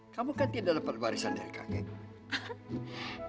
kamu kan tidak dapat barisan dari kakek